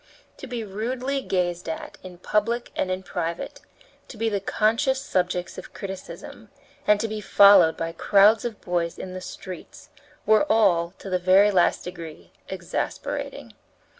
To be rudely gazed at in public and private, to be the conscious subjects of criticism, and to be followed by crowds of boys in the streets, were all, to the very last degree, exasperating.